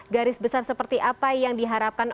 garis besar seperti apa yang diharapkan